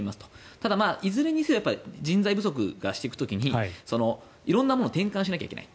ただ、いずれにせよ人材不足がしていく時に色んなものを転換していかないといけない。